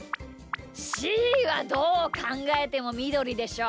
しーはどうかんがえてもみどりでしょう。